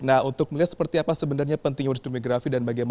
nah untuk melihat seperti apa sebenarnya penting bonus demografi